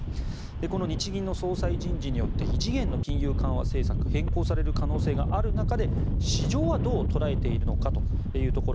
この日銀の総裁人事によって異次元の金融緩和政策が変更される可能性がある中で市場はどう捉えているのかというところ。